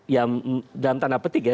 ya dalam tanda petik ya